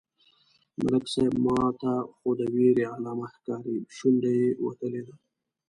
_ملک صيب! ماته خو د وېرې علامه ښکاري، شونډه يې وتلې ده.